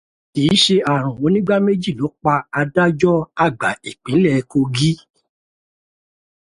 Kì í ṣe ààrùn onígbáméjì ló pa adájọ́ àgba ìpínlẹ̀ Kogí.